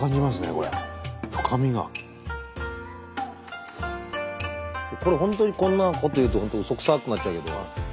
これ本当にこんなこと言うとうそくさくなっちゃうけど。